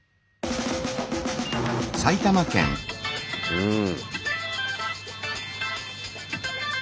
うん。